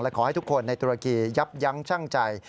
ขอให้ทุกคนในตุรกียับยั้งชั่งใจ